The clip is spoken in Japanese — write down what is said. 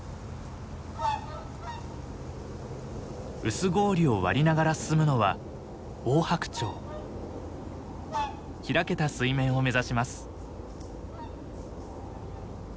薄氷を割りながら進むのは開けた水面を目指します。